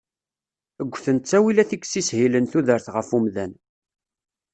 Ggten ttawilat i yessishilen tudert ɣef umdan.